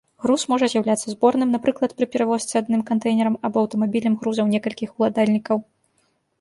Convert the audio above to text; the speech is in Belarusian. Груз можа з'яўляцца зборным, напрыклад, пры перавозцы адным кантэйнерам або аўтамабілем грузаў некалькіх уладальнікаў.